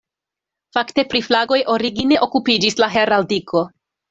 Fakte pri flagoj origine okupiĝis la heraldiko.